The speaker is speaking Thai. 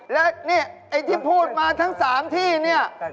แล้วนี่ไอ้ที่พูดมาทั้ง๓ที่เนี่ย